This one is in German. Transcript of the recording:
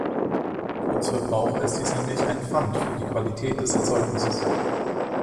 Für uns Verbraucher ist dies nämlich ein Pfand für die Qualität des Erzeugnisses.